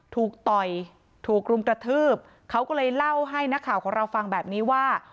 ต่อยถูกรุมกระทืบเขาก็เลยเล่าให้นักข่าวของเราฟังแบบนี้ว่า